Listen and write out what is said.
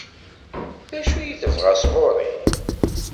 D acu i tebɣa sɣur-i?